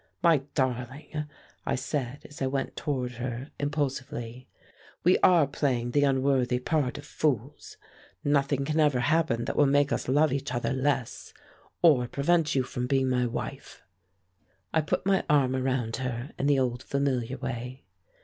"My darling," I said, as I went toward her impulsively, "we are playing the unworthy part of fools. Nothing can ever happen that will make us love each other less, or prevent you from being my wife." I put my arm around her in the old familiar way.